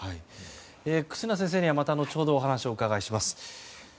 忽那先生にはまた後ほどお話を伺います。